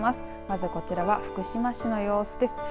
まずこちらは福島市の様子です。